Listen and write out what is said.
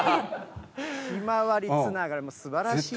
ひまわりつながり、すばらしい。